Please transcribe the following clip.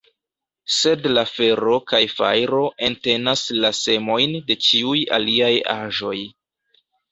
Sed la fero kaj fajro entenas la semojn de ĉiuj aliaj aĵoj.